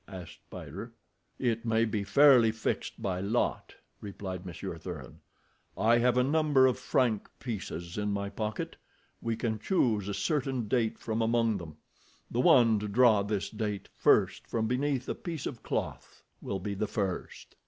asked Spider. "It may be fairly fixed by lot," replied Monsieur Thuran. "I have a number of franc pieces in my pocket. We can choose a certain date from among them—the one to draw this date first from beneath a piece of cloth will be the first."